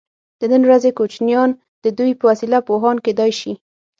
د نن ورځې کوچنیان د دوی په وسیله پوهان کیدای شي.